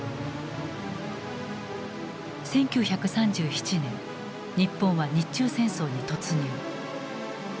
１９３７年日本は日中戦争に突入。